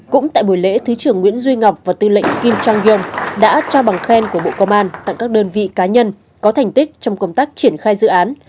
cũng tại buổi lễ thứ trưởng nguyễn duy ngọc và tư lệnh kim trang yong đã trao bằng khen của bộ công an tặng các đơn vị cá nhân có thành tích trong công tác triển khai dự án